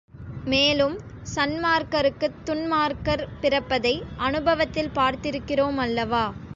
மேலும் சன்மார்க்கருக்குத் துன்மார்க்கர் பிறப்பதை அநுபவத்தில் பார்த்திருக்கிறோமல்லவா?